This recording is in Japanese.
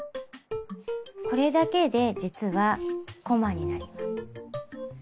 これだけで実はこまになります。